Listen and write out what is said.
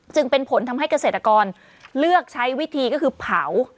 จึงเป็นผลทำให้เกษตรกรเลือกใช้วิธีก็คือเผา